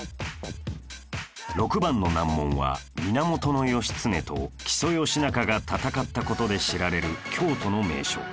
６番の難問は源義経と木曾義仲が戦った事で知られる京都の名所